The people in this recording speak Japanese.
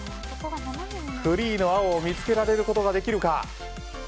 フリーの青を見つけられることはできるか。